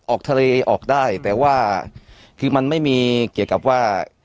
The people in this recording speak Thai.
ออกทะเลออกได้แต่ว่าคือมันไม่มีเกี่ยวกับว่า